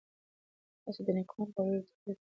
تاسو ته د نېکمرغه او له تشویش څخه پاک ژوند دعا کوم.